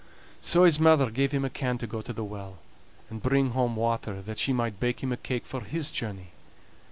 So his mother gave him a can to go to the well and bring home water, that she might bake him a cake for his journey.